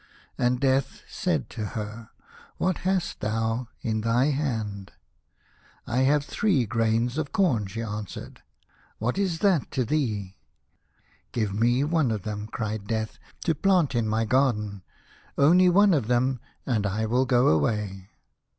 And Death said to her, " What hast thou in thy hand ?"" I have three grains of corn," she an swered ;" what is that to thee ?"" Give me one of them," cried Death, " to plant in my garden ; only one of them, and I will go away."